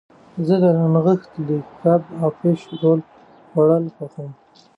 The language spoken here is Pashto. زه د نغښتلي کب او فش رول خوړل خوښوم.